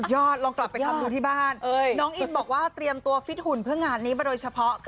ลองกลับไปทำดูที่บ้านน้องอินบอกว่าเตรียมตัวฟิตหุ่นเพื่องานนี้มาโดยเฉพาะ